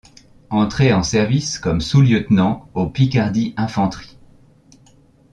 Entré en service comme sous-lieutenant au Picardie-Infanterie.